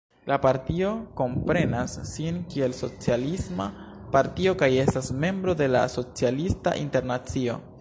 La partio komprenas sin kiel socialisma partio kaj estas membro de la Socialista Internacio.